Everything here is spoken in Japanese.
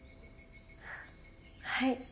はい。